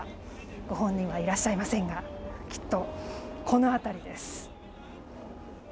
ご本人はいらっしゃいませんがきっと、この辺りです。